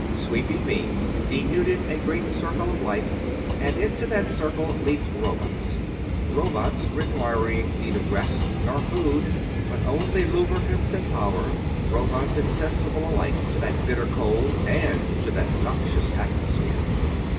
Sweeping beams denuded a great circle of life, and into that circle leaped robots. Robots requiring neither rest nor food, but only lubricants and power; robots insensible alike to that bitter cold and to that noxious atmosphere.